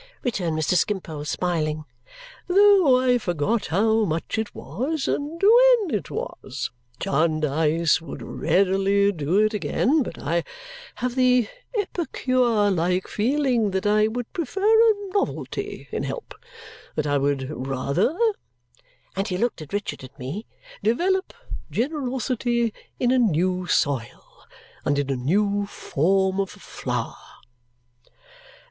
returned Mr. Skimpole, smiling. "Though I forgot how much it was and when it was. Jarndyce would readily do it again, but I have the epicure like feeling that I would prefer a novelty in help, that I would rather," and he looked at Richard and me, "develop generosity in a new soil and in a new form of flower."